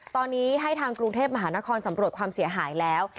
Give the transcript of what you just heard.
ตอนนี้ให้ทางกรุงเทพมหานครสำรวจความเสียหายแล้ว